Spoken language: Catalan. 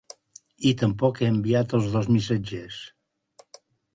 I tampoc he enviat els dos missatgers.